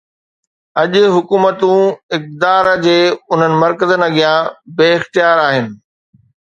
اڄ حڪومتون اقتدار جي انهن مرڪزن اڳيان بي اختيار آهن.